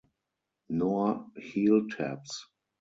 Nor Heel Taps.